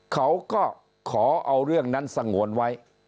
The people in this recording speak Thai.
เขาก็ขอเอาเรื่องนั้นสงวนไว้